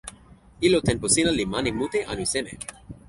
ilo tenpo sina li mani mute anu seme?